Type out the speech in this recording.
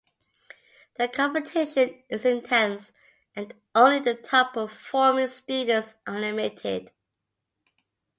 The competition is intense, and only the top-performing students are admitted.